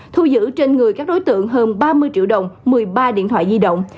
thu giữ trên người các đối tượng hơn ba mươi triệu đồng một mươi ba điện thoại di động